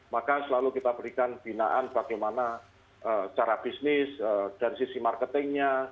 maka selalu kita berikan binaan bagaimana cara bisnis dari sisi marketingnya